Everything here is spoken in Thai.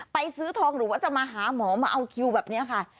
ซื้อทองหรือว่าจะมาหาหมอมาเอาคิวแบบนี้ค่ะ